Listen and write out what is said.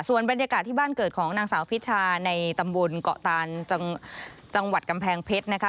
ส่วนบรรยากาศที่บ้านเกิดของนางสาวพิชาในตำบลเกาะตานจังหวัดกำแพงเพชรนะคะ